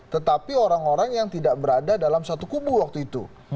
tetapi orang orang yang tidak berada dalam satu kubu waktu itu